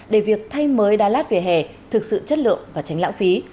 để việc thay mới đa lát vỉa hè thực sự chất lượng và tránh lãng phí